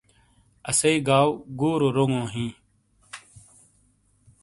اسئی گاؤ گُورو رونگو ہی۔